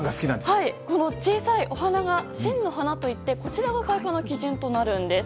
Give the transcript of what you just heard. この小さいお花が真の花といってこちらが開花の基準となるんです。